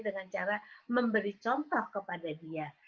dengan cara memberi contoh kepada dia